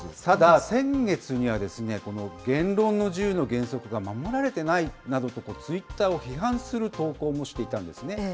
ただ先月には、この言論の自由の原則が守られていないなどと、ツイッターを批判する投稿もしていたんですね。